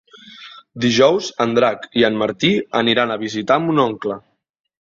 Dijous en Drac i en Martí aniran a visitar mon oncle.